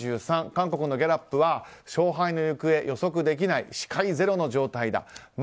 韓国のギャラップは勝敗の行方予測できない視界ゼロの状態だと。